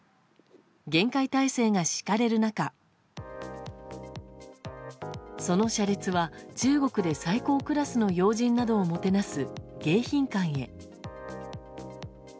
厳戒態勢が敷かれる中その車列は中国で最高クラスの要人などをもてなす迎賓館へ。